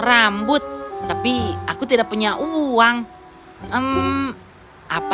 rambut tapi aku tidak punya uang apa yang harus aku lakukan sekarang ya aku bisa menggunakan topi tapi